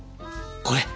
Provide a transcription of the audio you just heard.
これ！